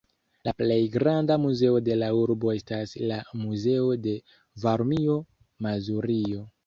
La plej granda muzeo de la urbo estas la "Muzeo de Varmio-Mazurio".